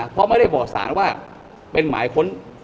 เพราะไม่ได้บอกสารว่าเป็นหมายค้น